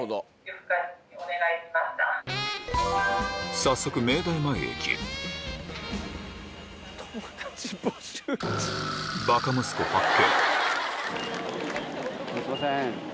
早速明大前へ行きすいません。